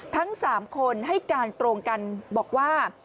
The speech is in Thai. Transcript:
ทั้ง๓คนให้การตรงกันบอกว่า